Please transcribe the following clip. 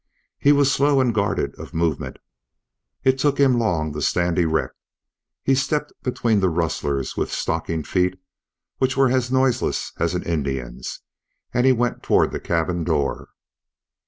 He was slow and guarded of movement; it took him long to stand erect. He stepped between the rustlers with stockinged feet which were as noiseless as an Indian's, and he went toward the cabin door.